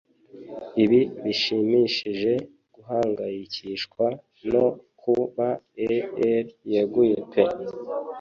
Ibi bishimishije guhangayikishwa no kuba e'er yeguye pe